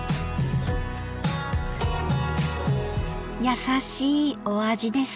優しいお味です。